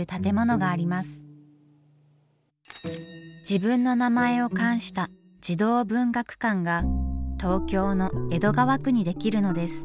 自分の名前を冠した児童文学館が東京の江戸川区にできるのです。